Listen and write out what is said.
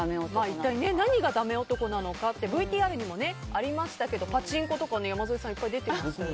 一体何がダメ男なのかＶＴＲにもありましたけどパチンコとか山添さん出てましたよ。